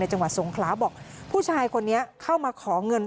จังหวัดสงขลาบอกผู้ชายคนนี้เข้ามาขอเงิน